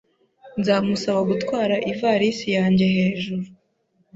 Nzamusaba gutwara ivalisi yanjye hejuru